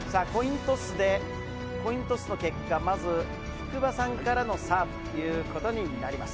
コイントスの結果福場さんからのサーブとなります。